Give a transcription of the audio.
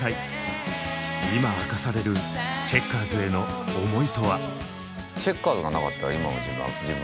今明かされるチェッカーズへの思いとは。